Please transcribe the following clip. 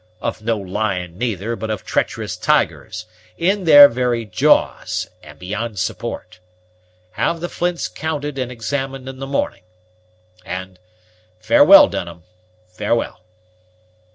of no lion neither; but of treacherous tigers: in their very jaws, and beyond support. Have the flints counted and examined in the morning and farewell, Dunham, farewell!"